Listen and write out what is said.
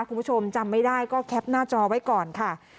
คุณผู้ชมจำไม่ได้ก็แคปหน้าจอไว้ก่อนค่ะ